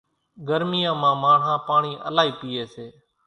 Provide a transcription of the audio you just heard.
ڳرميان مان ماڻۿان پاڻِي لائِي پيئيَ سي۔